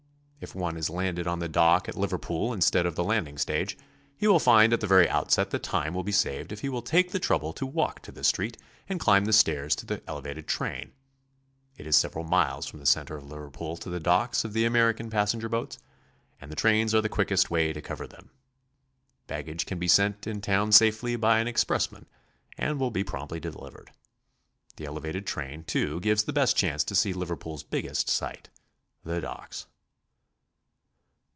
i8i If one is landed on the dock at Liverpool instead of the landing stage, he will find at the very outset that time will be saved if he will take the trouble to walk to the street and climb the stairs to the elevated train. It is several miles from the centre of Liverpool to the docks of the American pas senger boats, and the trains are the quickest way to cover them. Baggage can be sent in town safely by an expressman, and will be promptly delivered. The elevated train, too, gives the best chance to see Liverpoofs biggest sight, the docks.